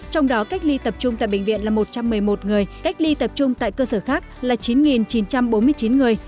trong đó cách ly tập trung tại bệnh viện là một trăm một mươi một người cách ly tập trung tại cơ sở khác là chín chín trăm bốn mươi chín người